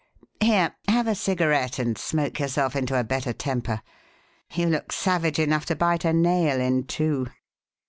Here have a cigarette and smoke yourself into a better temper. You look savage enough to bite a nail in two."